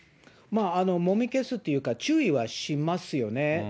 もみ消すというか、注意はしますよね。